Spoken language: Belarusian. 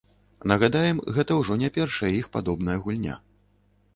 Нагадаем, гэта ўжо не першая іх падобная гульня.